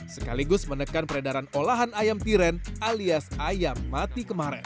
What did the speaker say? sekaligus menekan peredaran olahan ayam tiren alias ayam mati kemarin